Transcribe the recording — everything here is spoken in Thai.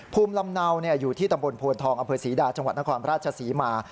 ภูมิลำเนาอยู่ที่ตำบลโพนทองอำเภอศรีดาจังหวัดนครราชศรีมา